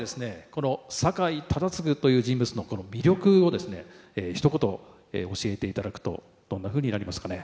この酒井忠次という人物の魅力をですねひと言教えていただくとどんなふうになりますかね？